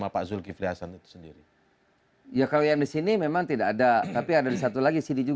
pertanyaan mana tadi